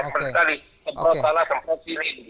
sebelah salah sempat sini